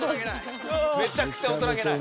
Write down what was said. めちゃくちゃ大人げない。